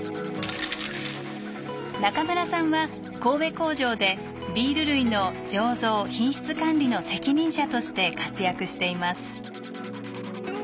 中村さんは神戸工場でビール類の醸造・品質管理の責任者として活躍しています。